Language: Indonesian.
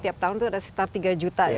tiap tahun itu ada sekitar tiga juta ya